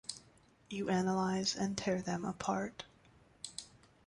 You analyze and tear them apart.